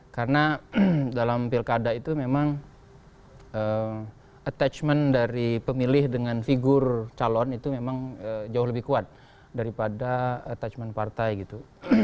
karena dalam pilkada itu memang attachment dari pemilih dengan figur calon itu memang jauh lebih kuat daripada attachment partai gitu